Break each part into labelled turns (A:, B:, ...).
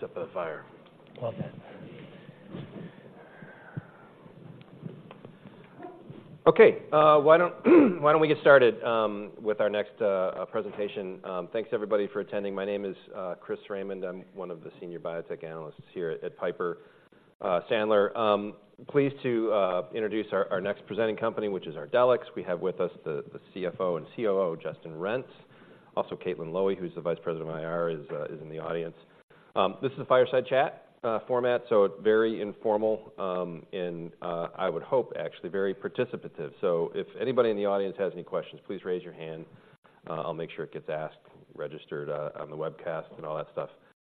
A: Sit by the fire.
B: Well said.
A: Okay, why don't we get started with our next presentation? Thanks everybody for attending. My name is Chris Raymond. I'm one of the senior biotech analysts here at Piper Sandler. Pleased to introduce our next presenting company, which is Ardelyx. We have with us the CFO and COO, Justin Renz. Also, Caitlin Lowie, who's the Vice President of IR, is in the audience. This is a fireside chat format, so very informal, and I would hope actually very participative. So if anybody in the audience has any questions, please raise your hand. I'll make sure it gets asked, registered on the webcast and all that stuff.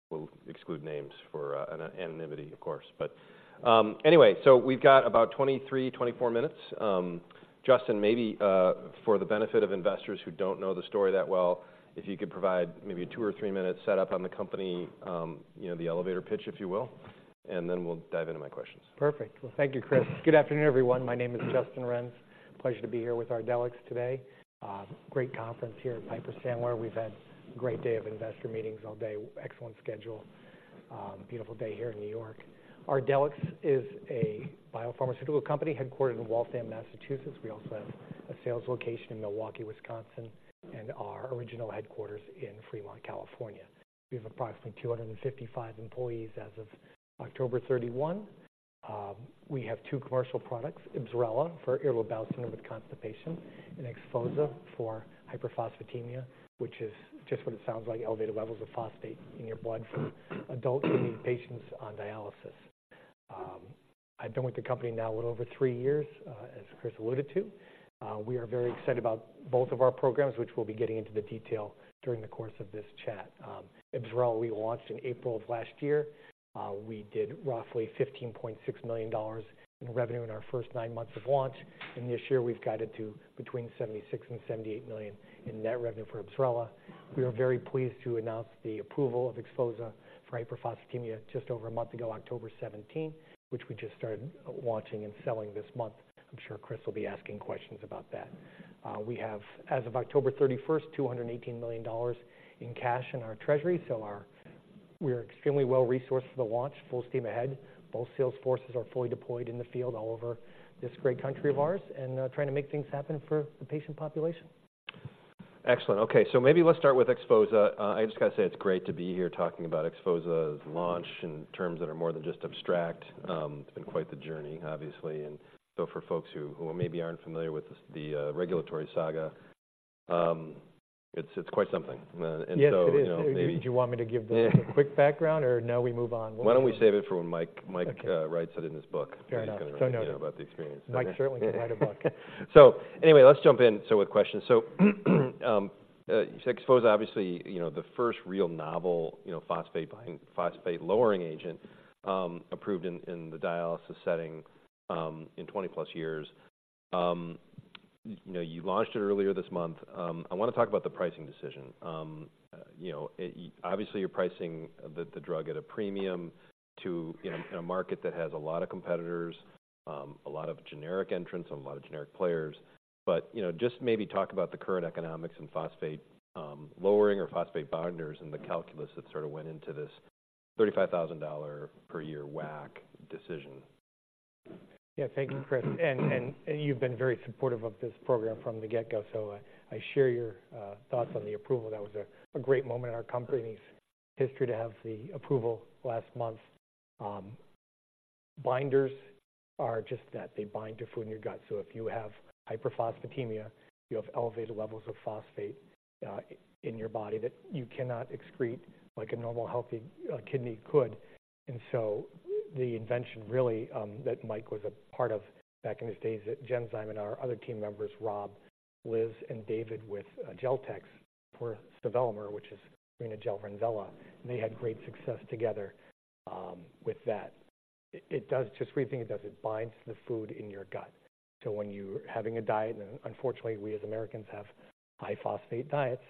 A: We'll exclude names for anonymity, of course. But anyway, so we've got about 23-24 minutes. Justin, maybe for the benefit of investors who don't know the story that well, if you could provide maybe a 2- or 3-minute setup on the company, you know, the elevator pitch, if you will, and then we'll dive into my questions.
B: Perfect. Well, thank you, Chris. Good afternoon, everyone. My name is Justin Renz. Pleasure to be here with Ardelyx today. Great conference here at Piper Sandler. We've had a great day of investor meetings all day. Excellent schedule. Beautiful day here in New York. Ardelyx is a biopharmaceutical company headquartered in Waltham, Massachusetts. We also have a sales location in Milwaukee, Wisconsin, and our original headquarters in Fremont, California. We have approximately 255 employees as of October 31. We have two commercial products, IBSRELA, for irritable bowel syndrome with constipation, and XPHOZAH for hyperphosphatemia, which is just what it sounds like, elevated levels of phosphate in your blood for adult patients on dialysis. I've been with the company now a little over three years, as Chris alluded to. We are very excited about both of our programs, which we'll be getting into the detail during the course of this chat. IBSRELA we launched in April of last year. We did roughly $15.6 million in revenue in our first nine months of launch, and this year we've guided to between $76 million and $78 million in net revenue for IBSRELA. We are very pleased to announce the approval of XPHOZAH for hyperphosphatemia just over a month ago, October seventeenth, which we just started launching and selling this month. I'm sure Chris will be asking questions about that. We have, as of October thirty-first, $218 million in cash in our treasury, so we are extremely well-resourced for the launch, full steam ahead. Both sales forces are fully deployed in the field all over this great country of ours, and trying to make things happen for the patient population.
A: Excellent. Okay, so maybe let's start with XPHOZAH. I just gotta say it's great to be here talking about XPHOZAH's launch in terms that are more than just abstract. It's been quite the journey, obviously, and so for folks who maybe aren't familiar with the regulatory saga, it's quite something. And so-
B: Yes, it is.
A: You know, maybe-
B: Do you want me to give the quick background, or now we move on?
A: Why don't we save it for when Mike
B: Okay...
A: writes it in his book.
B: Fair enough. So noted.
A: You know, about the experience.
B: Mike certainly can write a book.
A: So anyway, let's jump in with questions. XPHOZAH, obviously, you know, the first real novel, you know, phosphate binding, phosphate-lowering agent approved in the dialysis setting in 20+ years. You know, you launched it earlier this month. I wanna talk about the pricing decision. You know, obviously, you're pricing the drug at a premium to in a market that has a lot of competitors, a lot of generic entrants and a lot of generic players. But, you know, just maybe talk about the current economics in phosphate lowering or phosphate binders and the calculus that sort of went into this $35,000 per year WAC decision.
B: Yeah. Thank you, Chris. And you've been very supportive of this program from the get-go, so I share your thoughts on the approval. That was a great moment in our company's history to have the approval last month. Binders are just that. They bind your food in your gut. So if you have hyperphosphatemia, you have elevated levels of phosphate in your body that you cannot excrete like a normal, healthy kidney could. And so the invention really that Mike was a part of back in his days at Genzyme and our other team members, Rob, Liz, and David, with Geltex, for development, which is creating a gel Renvela, and they had great success together with that. It does. Just briefly, it binds the food in your gut. So when you're having a diet, and unfortunately, we as Americans have high phosphate diets,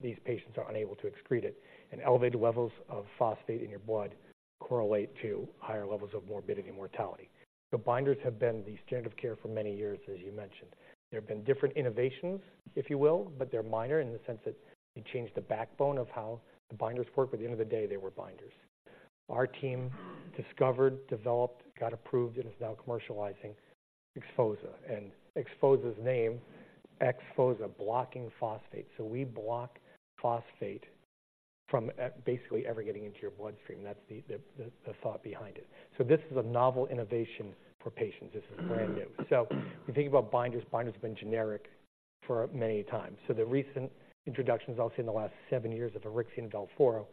B: these patients are unable to excrete it, and elevated levels of phosphate in your blood correlate to higher levels of morbidity and mortality. So binders have been the standard of care for many years, as you mentioned. There have been different innovations, if you will, but they're minor in the sense that they changed the backbone of how the binders work, but at the end of the day, they were binders. Our team discovered, developed, got approved, and is now commercializing XPHOZAH. And XPHOZAH's name, XPHOZAH, blocking phosphate. So we block phosphate from at- basically ever getting into your bloodstream. That's the, the, the thought behind it. So this is a novel innovation for patients. This is brand new. So we think about binders, binders have been generic for many times. So the recent introductions, I'll say in the last seven years, of Auryxia and Velphoro,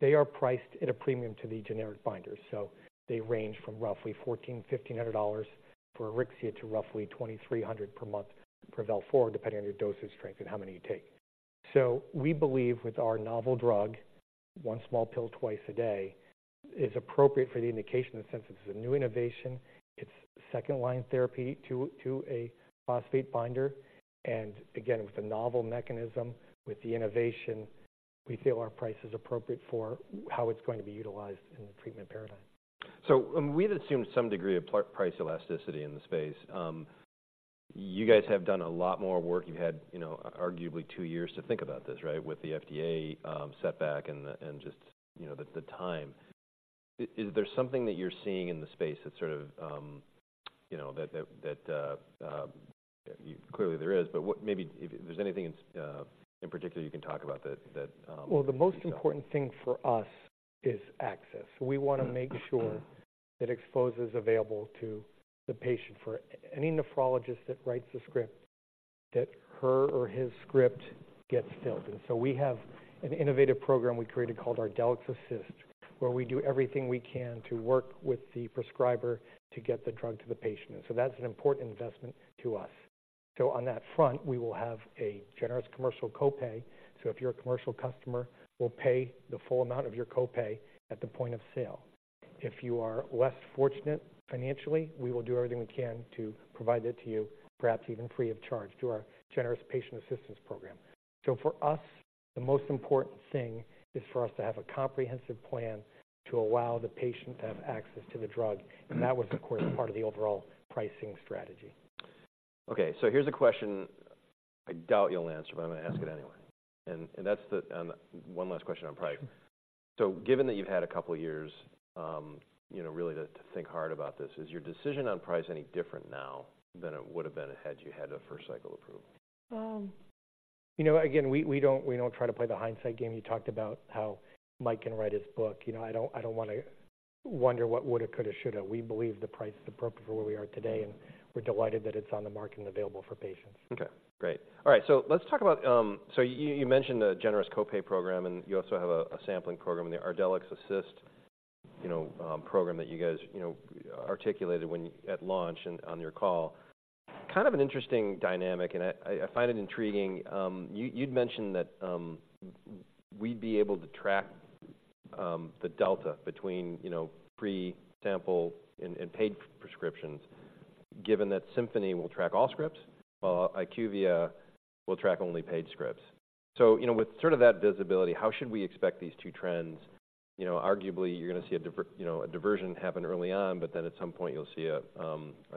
B: they are priced at a premium to the generic binders. So they range from roughly $1,400-$1,500 for Auryxia to roughly $2,300 per month for Velphoro, depending on your dosage strength and how many you take. So we believe with our novel drug, one small pill twice a day, is appropriate for the indication, in the sense it's a new innovation, it's second-line therapy to a phosphate binder, and again, with a novel mechanism, with the innovation, we feel our price is appropriate for how it's going to be utilized in the treatment paradigm.
A: So, we've assumed some degree of price elasticity in the space. You guys have done a lot more work. You've had, you know, arguably two years to think about this, right? With the FDA setback and the, and just, you know, the time. Is there something that you're seeing in the space that sort of, you know, that clearly there is, but what maybe if there's anything in particular you can talk about that.
B: Well, the most important thing for us is access. We want to make sure that XPHOZAH is available to the patient. For any nephrologist that writes a script, that her or his script gets filled. And so we have an innovative program we created called Ardelyx Assist, where we do everything we can to work with the prescriber to get the drug to the patient. And so that's an important investment to us. So on that front, we will have a generous commercial co-pay. So if you're a commercial customer, we'll pay the full amount of your co-pay at the point of sale. If you are less fortunate financially, we will do everything we can to provide that to you, perhaps even free of charge, through our generous patient assistance program. So for us, the most important thing is for us to have a comprehensive plan to allow the patient to have access to the drug, and that was, of course, part of the overall pricing strategy.
A: Okay, so here's a question I doubt you'll answer, but I'm going to ask it anyway. And one last question on price. So given that you've had a couple of years, you know, really to think hard about this, is your decision on price any different now than it would have been had you had a first cycle approval?
B: You know, again, we don't try to play the hindsight game. You talked about how Mike can write his book. You know, I don't want to wonder what woulda, coulda, shoulda. We believe the price is appropriate for where we are today, and we're delighted that it's on the market and available for patients.
A: Okay, great. All right, so let's talk about. So you mentioned a generous co-pay program, and you also have a sampling program, the Ardelyx Assist, you know, program that you guys, you know, articulated when at launch and on your call. Kind of an interesting dynamic, and I find it intriguing. You'd mentioned that we'd be able to track the delta between, you know, pre-sample and paid prescriptions, given that Symphony will track all scripts, while IQVIA will track only paid scripts. So, you know, with sort of that visibility, how should we expect these two trends? You know, arguably, you're going to see a diversion happen early on, but then at some point you'll see a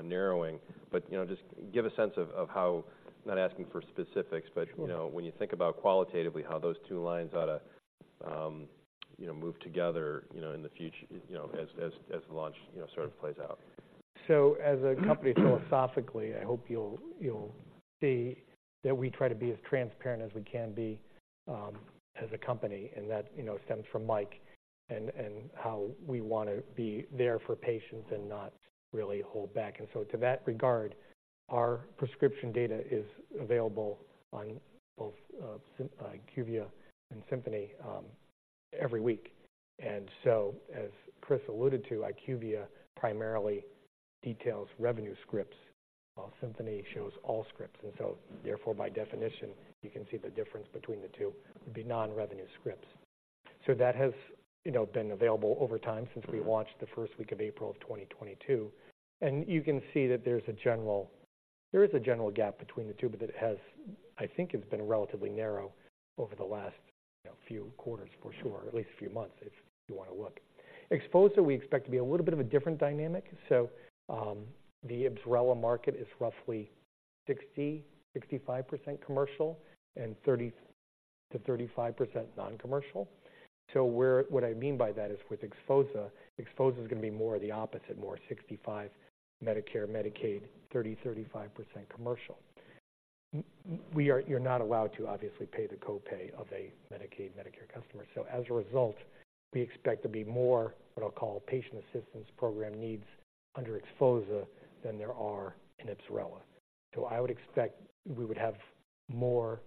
A: narrowing. But, you know, just give a sense of how-- I'm not asking for specifics, but-
B: Sure.
A: You know, when you think about qualitatively, how those two lines ought to, you know, move together, you know, in the future, you know, as the launch, you know, sort of plays out.
B: So as a company, philosophically, I hope you'll, you'll see that we try to be as transparent as we can be, as a company, and that, you know, stems from Mike and, and how we want to be there for patients and not really hold back. And so to that regard, our prescription data is available on both, IQVIA and Symphony, every week. And so, as Chris alluded to, IQVIA primarily details revenue scripts, while Symphony shows all scripts. And so therefore, by definition, you can see the difference between the two would be non-revenue scripts. So that has, you know, been available over time since we launched the first week of April of 2022. And you can see that there is a general gap between the two, but it has, I think, it's been relatively narrow over the last, you know, few quarters for sure, or at least a few months, if you want to look. XPHOZAH, we expect to be a little bit of a different dynamic. So, the IBSRELA market is roughly 60-65% commercial and 30%-35% non-commercial. So where-- what I mean by that is, with XPHOZAH, XPHOZAH is going to be more of the opposite, more 65% Medicare, Medicaid, 30-35% commercial. We are-- You're not allowed to obviously pay the co-pay of a Medicaid, Medicare customer. So as a result, we expect there be more, what I'll call, patient assistance program needs under XPHOZAH than there are in IBSRELA. I would expect we would have more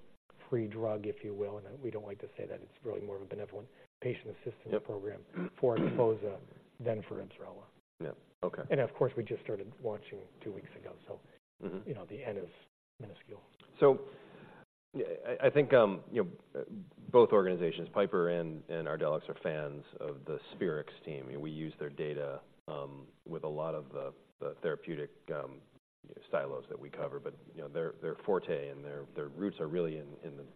B: free drug, if you will, and we don't like to say that. It's really more of a benevolent patient assistance program-
A: Yep.
B: - for XPHOZAH than for IBSRELA.
A: Yeah. Okay.
B: Of course, we just started launching two weeks ago, so-
A: Mm-hmm...
B: you know, the end is minuscule.
A: So I think, you know, both organizations, Piper and Ardelyx, are fans of the Spherix's team. We use their data with a lot of the therapeutic silos that we cover. But, you know, their forte and their roots are really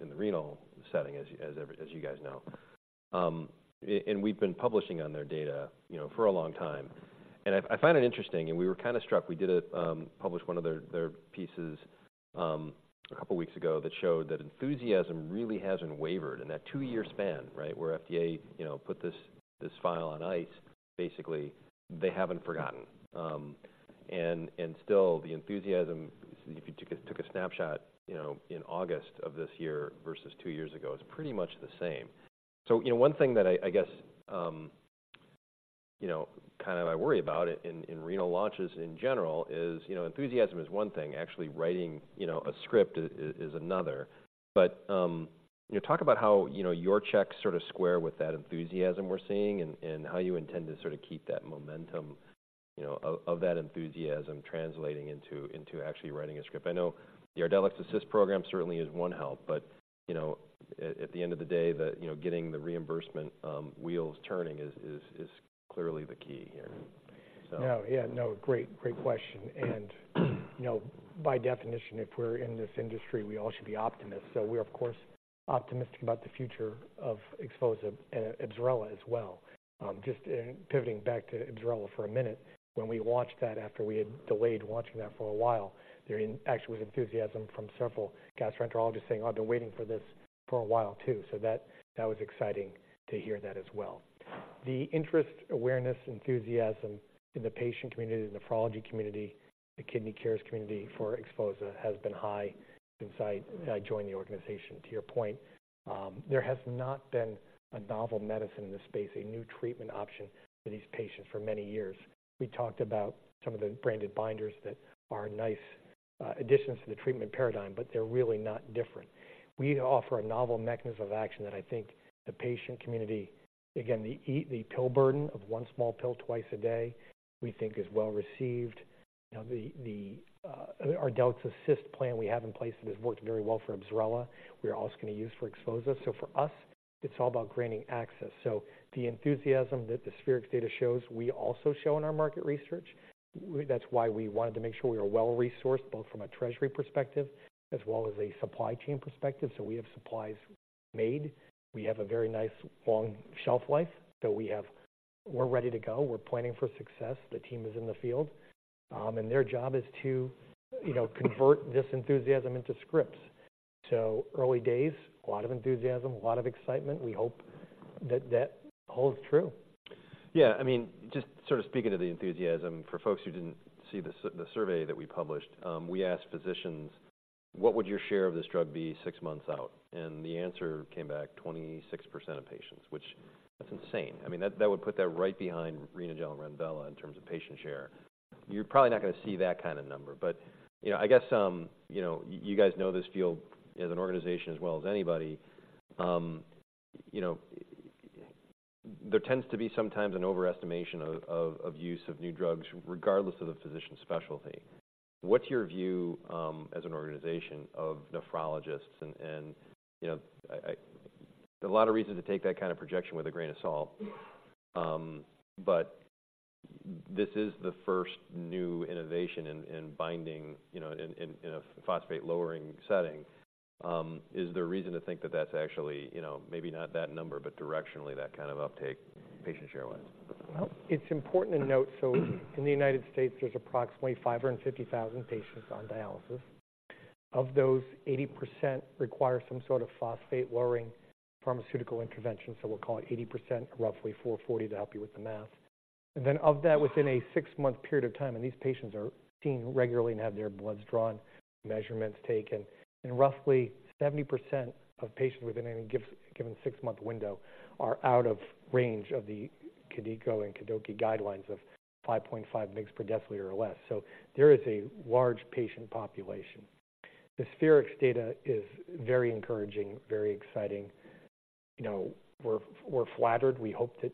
A: in the renal setting as you guys know. And we've been publishing on their data, you know, for a long time. And I find it interesting, and we were kind of struck. We did publish one of their pieces a couple weeks ago that showed that enthusiasm really hasn't wavered in that two-year span, right? Where FDA, you know, put this file on ice. Basically, they haven't forgotten. And still the enthusiasm, if you took a snapshot, you know, in August of this year versus two years ago, is pretty much the same. So, you know, one thing that I guess, you know, kind of I worry about it in renal launches in general is, you know, enthusiasm is one thing. Actually writing, you know, a script is another. But, you know, talk about how, you know, your checks sort of square with that enthusiasm we're seeing and how you intend to sort of keep that momentum, you know, of that enthusiasm translating into actually writing a script. I know the Ardelyx Assist program certainly is one help, but, you know, at the end of the day, you know, getting the reimbursement wheels turning is clearly the key here, so.
B: No, yeah. No, great, great question. You know, by definition, if we're in this industry, we all should be optimists. So we're of course optimistic about the future of XPHOZAH and IBSRELA as well. Just pivoting back to IBSRELA for a minute. When we launched that after we had delayed launching that for a while, there actually was enthusiasm from several gastroenterologists saying, "I've been waiting for this for a while, too." So that was exciting to hear as well. The interest, awareness, enthusiasm in the patient community, the nephrology community, the kidney care community for XPHOZAH has been high since I joined the organization. To your point, there has not been a novel medicine in this space, a new treatment option for these patients for many years. We talked about some of the branded binders that are nice additions to the treatment paradigm, but they're really not different. We offer a novel mechanism of action that I think the patient community, again, the pill burden of one small pill twice a day, we think is well received. You know, our Ardelyx Assist plan we have in place that has worked very well for IBSRELA, we're also going to use for XPHOZAH. So for us, it's all about granting access. So the enthusiasm that the Spherix data shows, we also show in our market research. That's why we wanted to make sure we are well-resourced, both from a treasury perspective as well as a supply chain perspective. So we have supplies made. We have a very nice, long shelf life, so we have... We're ready to go. We're planning for success. The team is in the field, and their job is to, you know, convert this enthusiasm into scripts. So early days, a lot of enthusiasm, a lot of excitement. We hope that that holds true.
A: Yeah, I mean, just sort of speaking to the enthusiasm for folks who didn't see the survey that we published, we asked physicians: What would your share of this drug be six months out? And the answer came back 26% of patients, which that's insane. I mean, that would put that right behind Renagel and Renvela in terms of patient share. You're probably not going to see that kind of number, but, you know, I guess, you know, you guys know this field as an organization as well as anybody. You know, there tends to be sometimes an overestimation of use of new drugs, regardless of the physician's specialty. What's your view, as an organization of nephrologists? And, you know, I... A lot of reasons to take that kind of projection with a grain of salt. But this is the first new innovation in a phosphate-lowering setting. Is there a reason to think that that's actually, you know, maybe not that number, but directionally, that kind of uptake patient share-wise?
B: Well, it's important to note, so in the United States, there's approximately 550,000 patients on dialysis. Of those, 80% require some sort of phosphate-lowering pharmaceutical intervention, so we'll call it 80%, roughly 440, to help you with the math. And then of that, within a six-month period of time, and these patients are seen regularly and have their bloods drawn, measurements taken, and roughly 70% of patients within any given six-month window are out of range of the KDIGO and KDOQI guidelines of 5.5 mg/dL or less. So there is a large patient population. The Spherix's data is very encouraging, very exciting. You know, we're flattered. We hope that,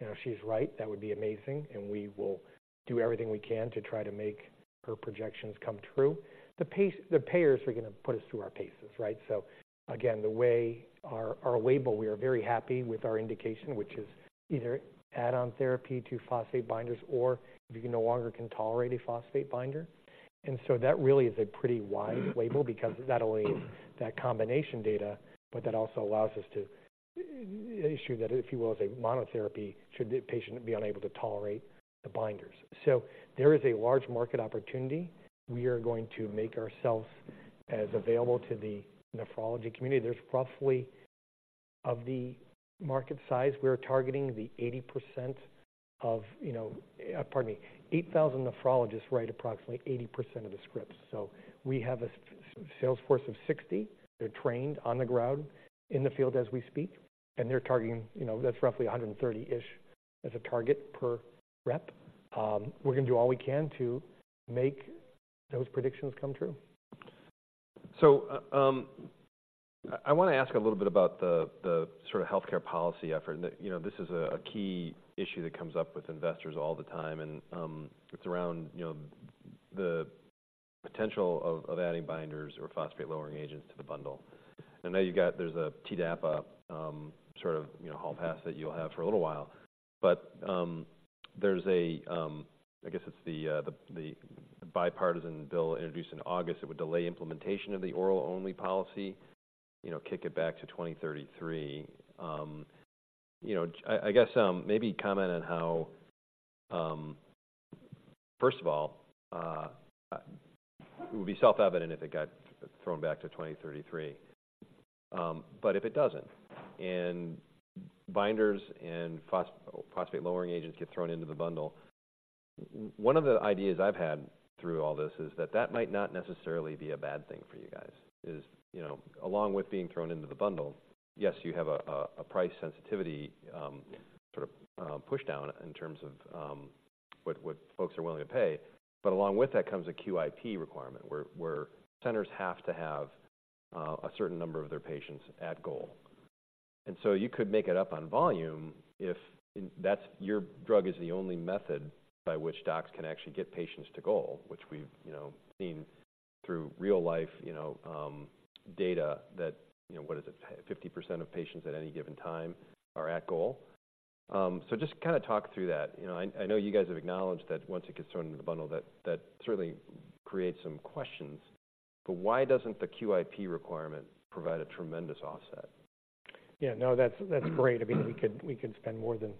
B: you know, she's right. That would be amazing, and we will do everything we can to try to make her projections come true. The pace—the payers are going to put us through our paces, right? So again, the way our label, we are very happy with our indication, which is either add-on therapy to phosphate binders or if you no longer can tolerate a phosphate binder. And so that really is a pretty wide label because not only that combination data, but that also allows us to issue that, if you will, as a monotherapy, should the patient be unable to tolerate the binders. So there is a large market opportunity. We are going to make ourselves as available to the nephrology community. There's roughly of the market size, we are targeting the 80% of, you know, pardon me. 8,000 nephrologists write approximately 80% of the scripts. So we have a sales force of 60. They're trained on the ground in the field as we speak, and they're targeting, you know, that's roughly 130-ish as a target per rep. We're going to do all we can to make those predictions come true.
A: So, I want to ask a little bit about the sort of healthcare policy effort. You know, this is a key issue that comes up with investors all the time, and it's around, you know, the potential of adding binders or phosphate-lowering agents to the bundle. I know you've got. There's a TDAPA sort of, you know, hall pass that you'll have for a little while. But there's a, I guess it's the bipartisan bill introduced in August that would delay implementation of the oral-only policy, you know, kick it back to 2033. You know, I guess maybe comment on how first of all it would be self-evident if it got thrown back to 2033. But if it doesn't, and binders and phosphate-lowering agents get thrown into the bundle, one of the ideas I've had through all this is that that might not necessarily be a bad thing for you guys. It's, you know, along with being thrown into the bundle, yes, you have a price sensitivity sort of pushdown in terms of what folks are willing to pay. But along with that comes a QIP requirement, where centers have to have a certain number of their patients at goal. And so you could make it up on volume if in... That's, your drug is the only method by which docs can actually get patients to goal, which we've, you know, seen through real-life, you know, data that, you know, what is it? 50% of patients at any given time are at goal. So just kind of talk through that. You know, I know you guys have acknowledged that once it gets thrown into the bundle, that certainly creates some questions. But why doesn't the QIP requirement provide a tremendous offset?
B: Yeah, no, that's, that's great. I mean, we could, we could spend more than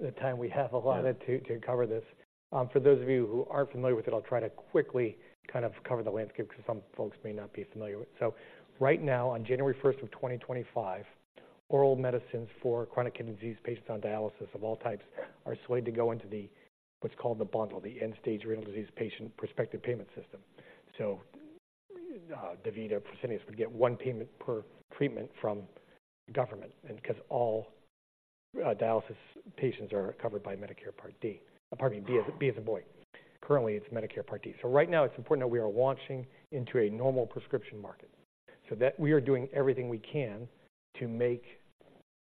B: the time we have allotted-
A: Yeah.
B: for those of you who aren't familiar with it, I'll try to quickly kind of cover the landscape, because some folks may not be familiar with. So right now, on January first of 2025, oral medicines for chronic kidney disease patients on dialysis of all types are slated to go into the, what's called the bundle, the End-Stage Renal Disease Prospective Payment System. So, DaVita, Fresenius would get one payment per treatment from the government, and because all, dialysis patients are covered by Medicare Part D. Pardon me, B as in boy. Currently, it's Medicare Part D. So right now, it's important that we are launching into a normal prescription market, so that we are doing everything we can to make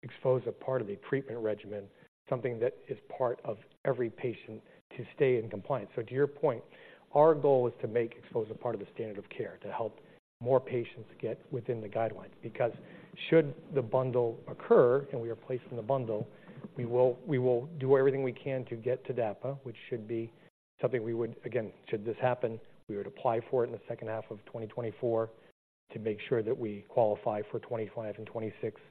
B: XPHOZAH a part of a treatment regimen, something that is part of every patient to stay in compliance. So to your point, our goal is to make XPHOZAH a part of the standard of care, to help more patients get within the guidelines. Because should the bundle occur and we are placed in the bundle, we will, we will do everything we can to get to TDAPA, which should be something we would... Again, should this happen, we would apply for it in the second half of 2024 to make sure that we qualify for 2025 and 2026,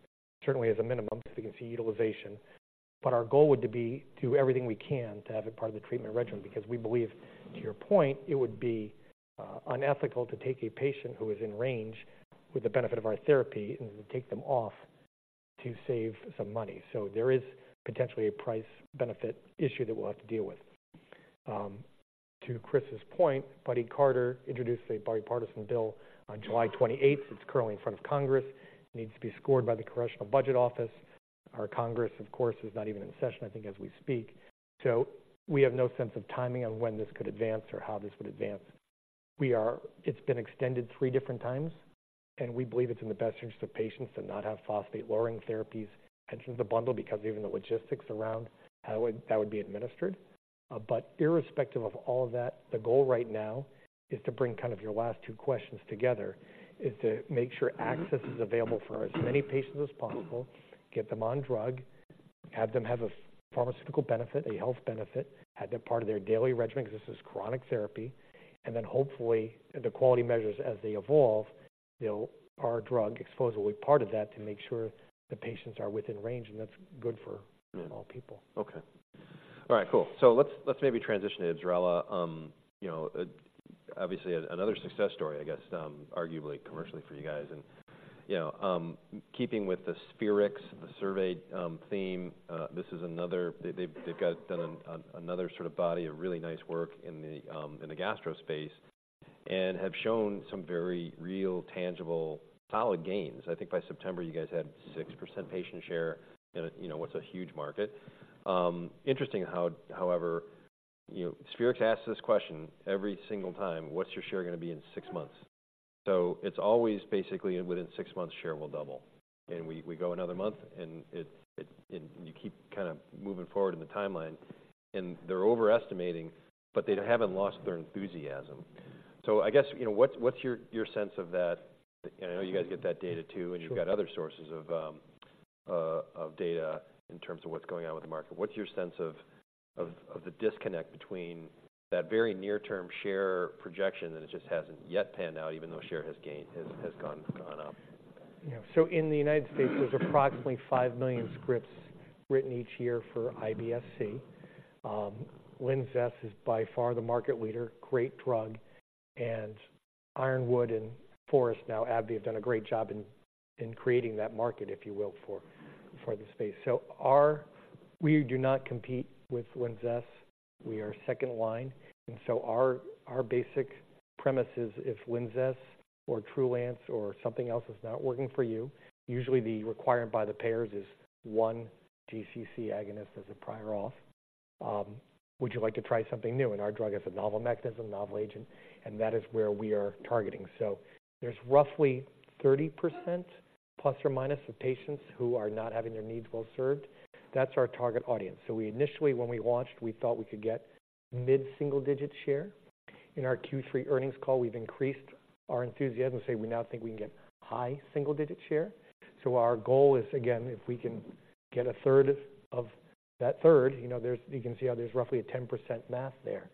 B: certainly as a minimum, if you can see utilization. But our goal would to be, do everything we can to have it part of the treatment regimen, because we believe, to your point, it would be, unethical to take a patient who is in range with the benefit of our therapy and take them off to save some money. So there is potentially a price-benefit issue that we'll have to deal with. To Chris's point, Buddy Carter introduced a bipartisan bill on July 28th. It's currently in front of Congress. It needs to be scored by the Congressional Budget Office. Our Congress, of course, is not even in session, I think, as we speak. So we have no sense of timing on when this could advance or how this would advance. It's been extended three different times, and we believe it's in the best interest of patients to not have phosphate-lowering therapies entered in the bundle, because even the logistics around how that would be administered. But irrespective of all of that, the goal right now is to bring kind of your last two questions together, is to make sure access is available for as many patients as possible, get them on drug, have them have a pharmaceutical benefit, a health benefit, have them part of their daily regimen, because this is chronic therapy. And then hopefully, the quality measures as they evolve, they'll our drug exposure will be part of that to make sure the patients are within range, and that's good for-
A: Yeah.
B: - All people.
A: Okay. All right, cool. So let's, let's maybe transition to IBSRELA. You know, obviously another success story, I guess, arguably commercially for you guys. You know, keeping with the Spherix, the survey, theme, this is another. They've done another sort of body of really nice work in the, in the gastro space and have shown some very real, tangible, solid gains. I think by September, you guys had 6% patient share in a, you know, what's a huge market. Interesting how, however, you know, Spherix asks this question every single time: "What's your share going to be in six months?" So it's always basically within six months, share will double, and we go another month and it, and you keep kind of moving forward in the timeline, and they're overestimating, but they haven't lost their enthusiasm. So I guess, you know, what's your sense of that? I know you guys get that data too-
B: Sure.
A: You've got other sources of data in terms of what's going on with the market. What's your sense of the disconnect between that very near-term share projection, and it just hasn't yet panned out, even though share has gained, has gone up?
B: Yeah. So in the United States, there's approximately 5 million scripts written each year for IBS-C. Linzess is by far the market leader, great drug, and Ironwood and Forest, now AbbVie, have done a great job in creating that market, if you will, for the space. We do not compete with Linzess. We are second line, and so our basic premise is, if Linzess or Trulance or something else is not working for you, usually the requirement by the payers is one GC-C agonist as a prior auth. Would you like to try something new? And our drug is a novel mechanism, novel agent, and that is where we are targeting. So there's roughly 30%, plus or minus, of patients who are not having their needs well served. That's our target audience. So we initially, when we launched, we thought we could get mid-single-digit share. In our Q3 earnings call, we've increased our enthusiasm and say we now think we can get high single-digit share. So our goal is, again, if we can get a third of that third, you know, there's, you can see how there's roughly a 10% math there.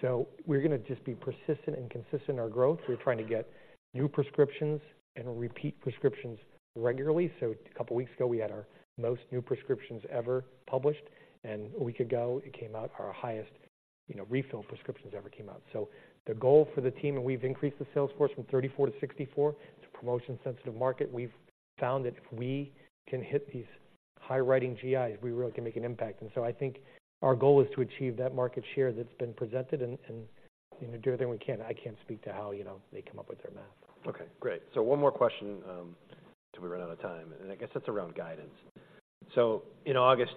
B: So we're going to just be persistent and consistent in our growth. We're trying to get new prescriptions and repeat prescriptions regularly. So a couple of weeks ago, we had our most new prescriptions ever published, and a week ago, it came out, our highest, you know, refill prescriptions ever came out. So the goal for the team, and we've increased the sales force from 34 to 64. It's a promotion-sensitive market. We've found that if we can hit these high-writing GIs, we really can make an impact. So I think our goal is to achieve that market share that's been presented and, you know, do everything we can. I can't speak to how, you know, they come up with their math.
A: Okay, great. So one more question till we run out of time, and I guess that's around guidance. So in August,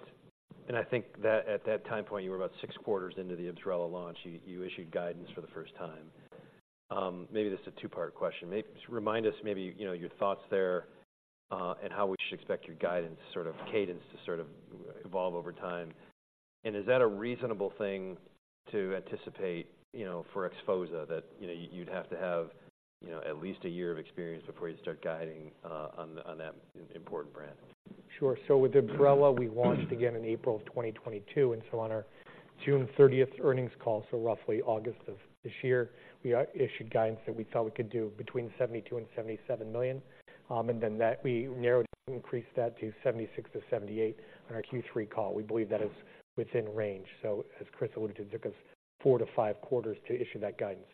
A: and I think that at that time point, you were about six quarters into the IBSRELA launch, you issued guidance for the first time. Maybe this is a two-part question. Just remind us maybe, you know, your thoughts there, and how we should expect your guidance sort of cadence to sort of evolve over time. And is that a reasonable thing to anticipate, you know, for exposure, that, you know, you'd have to have, you know, at least a year of experience before you start guiding on that important brand?
B: Sure. So with IBSRELA, we launched again in April of 2022, and so on our June 30 earnings call, so roughly August of this year, we issued guidance that we thought we could do between $72 million and $77 million. And then that we narrowed, increased that to $76 million-$78 million on our Q3 call. We believe that is within range. So as Chris alluded to, it took us 4-5 quarters to issue that guidance.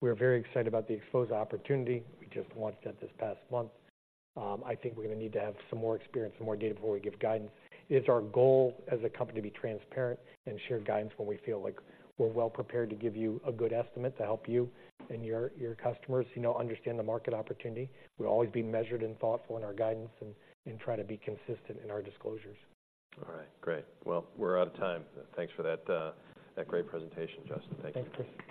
B: We're very excited about the exposure opportunity. We just launched that this past month. I think we're going to need to have some more experience and more data before we give guidance. It's our goal as a company to be transparent and share guidance when we feel like we're well prepared to give you a good estimate to help you and your, your customers, you know, understand the market opportunity. We'll always be measured and thoughtful in our guidance and try to be consistent in our disclosures.
A: All right, great. Well, we're out of time. Thanks for that, that great presentation, Justin. Thank you.
B: Thank you.